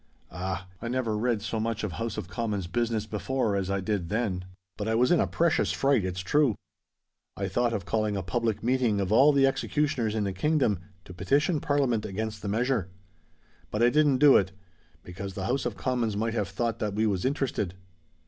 Ah! I never read so much of House of Commons' business before, as I did then:—but I was in a precious fright, it's true. I thought of calling a public meeting of all the executioners in the kingdom to petition Parliament against the measure; but I didn't do it—because the House of Commons might have thought that we was interested."